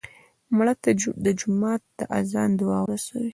مړه ته د جومات د اذان دعا ورسوې